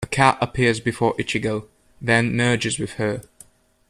A cat appears before Ichigo, then merges with her.